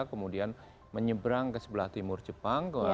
kemudian menyeberang ke sebelah timur jepang